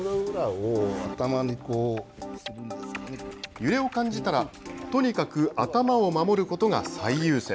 揺れを感じたら、とにかく頭を守ることが最優先。